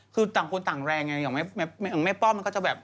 คือต่างคนต่างแรงไงอย่างแม่ป้อมมันก็จะแบบ